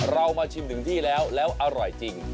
เรามาชิมถึงที่แล้วแล้วอร่อยจริง